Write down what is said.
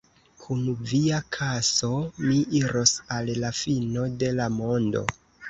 Kun via kaso mi iros al la fino de la mondo!